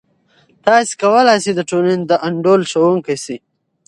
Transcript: تاسې کولای سئ د ټولنې د انډول ښوونکی سئ.